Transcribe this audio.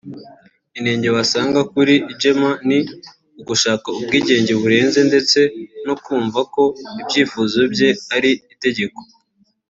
Inenge wasanga kuri Gemma ni ugushaka ubwigenge burenze ndetse no kumva ko ibyifuzo bye ari itegeko